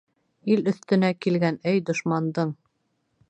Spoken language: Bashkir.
Ил өҫтөнә килгән, эй, дошмандың